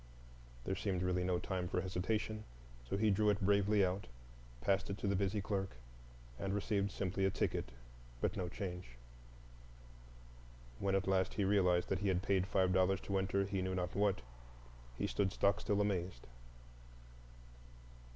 There seemed really no time for hesitation, so he drew it bravely out, passed it to the busy clerk, and received simply a ticket but no change. When at last he realized that he had paid five dollars to enter he knew not what, he stood stockstill amazed.